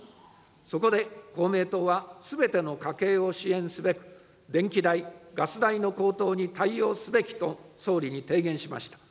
そこで公明党は、すべての家計を支援すべく、電気代・ガス代の高騰に対応すべきと総理に提言しました。